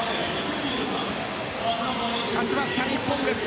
勝ちました、日本です。